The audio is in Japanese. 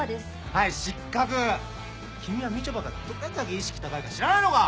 はい失格君はみちょぱがどれだけ意識高いか知らないのか！